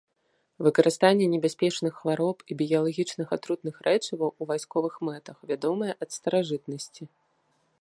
Выкарыстанне небяспечных хвароб і біялагічных атрутных рэчываў у вайсковых мэтах вядомае ад старажытнасці.